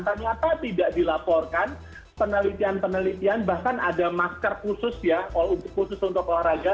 ternyata tidak dilaporkan penelitian penelitian bahkan ada masker khusus ya khusus untuk olahraga